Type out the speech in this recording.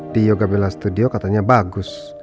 di yoga bela studio katanya bagus